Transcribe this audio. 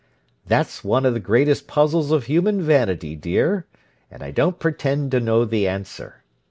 "That's one of the greatest puzzles of human vanity, dear; and I don't pretend to know the answer.